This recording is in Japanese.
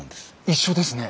一緒ですね。